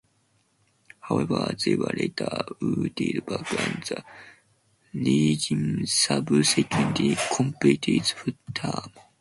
However, they were later wooed back and the regime subsequently completed its full term.